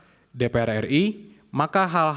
maka hal hal lebih lanjut dan teknologi yang diperlukan adalah